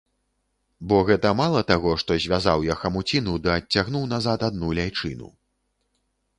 Бо гэта мала таго, што звязаў я хамуціну ды адцягнуў назад адну ляйчыну.